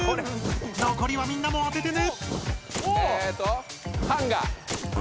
残りはみんなもあててね！